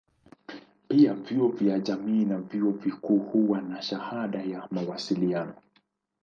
Pia vyuo vya jamii na vyuo vikuu huwa na shahada ya mawasiliano.